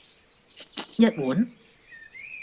一碗